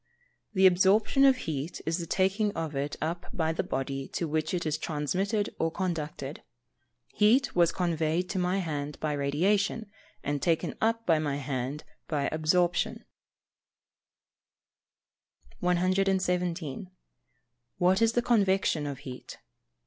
_ The absorption of heat is the taking of it up by the body to which it is transmitted or conducted. Heat was conveyed to my hand by radiation, and taken up by my hand by absorption. 117. _What is the Convection of heat?